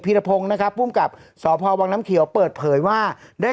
รพงศ์นะครับภูมิกับสพวังน้ำเขียวเปิดเผยว่าได้